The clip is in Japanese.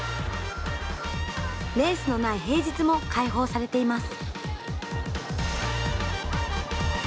レースのない平日も開放されています。